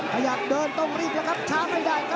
ถ้าอยากเดินต้องรีบนะครับช้ำไม่ได้ครับ